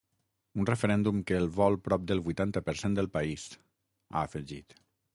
Un referèndum que el vol prop del vuitanta per cent del país, ha afegit.